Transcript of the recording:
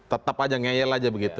tetap aja ngeyel aja begitu